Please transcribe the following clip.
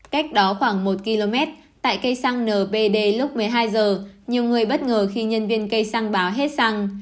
cách đó khoảng một km tại cây xăng npd lúc một mươi hai h nhiều người bất ngờ khi nhân viên cây xăng báo hết xăng